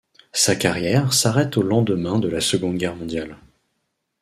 Sa carrière s'arrête au lendemain de la Seconde Guerre mondiale.